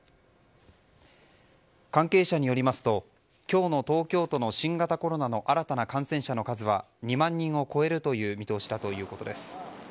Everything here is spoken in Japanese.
関係者によりますと今日の東京都の新型コロナウイルスの新たな感染者の数は２万人を超えるという見通しだということです。